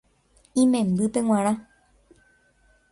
Imembýpe g̃uarã